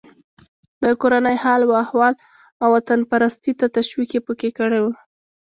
د کورني حال و احوال او وطنپرستۍ ته تشویق یې پکې کړی و.